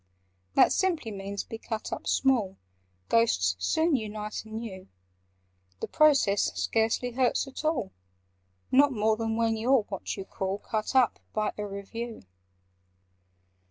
"That simply means 'be cut up small': Ghosts soon unite anew. The process scarcely hurts at all— Not more than when you 're what you call 'Cut up' by a Review.